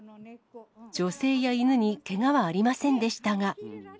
女性や犬にけがはありませんでしたが。